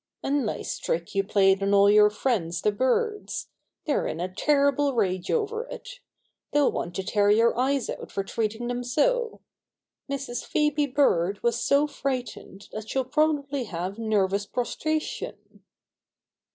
"A nice trick you played on all your friends, the birds. They're in a terrible rage over it. They'll want to tear your eyes out for treating them so. Mrs. Phoebe Bird was so frightened that she'll probably have nervous prostration."